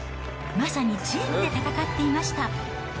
まさにチームで戦っていました。